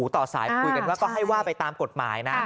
ต่อสายให้ว่าไปตามกฎหมาย